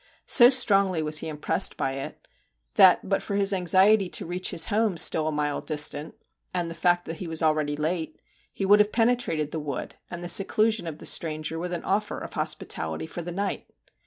So strongly was he im pressed by it, that but for his anxiety to reach his home still a mile distant, and the fact that he was already late, he would have penetrated the wood and the seclusion of the stranger with an offer of hospitality for the night.